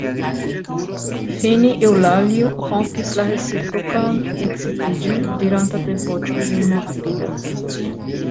Fine Eŭlalio rompis la reciprokan ekscitiĝon, dirante per voĉo iom malrapida: